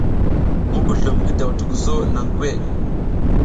Mugulum ngi daw tukuzo naŋ gwe.